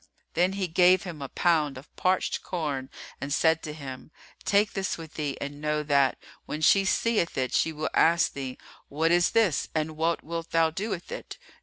Then he gave him a pound of parched corn[FN#344] and said to him, "Take this with thee and know that, when she seeth it, she will ask thee, 'What is this and what wilt thou do with it?